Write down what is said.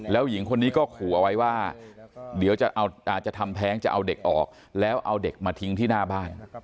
แล้วหญิงคนนี้ก็ขู่เอาไว้ว่าเดี๋ยวจะทำแท้งจะเอาเด็กออกแล้วเอาเด็กมาทิ้งที่หน้าบ้าน